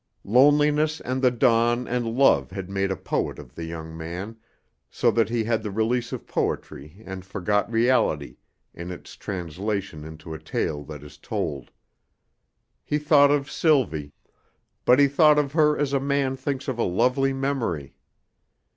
Loneliness and the dawn and love had made a poet of the young man, so that he had the release of poetry and forgot reality in its translation into a tale that is told. He thought of Sylvie, but he thought of her as a man thinks of a lovely memory.